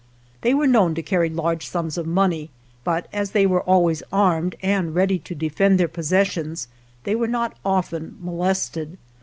They were known to carry large sums of money, but as they were always armed and ready to defend their possessions they were not often molested.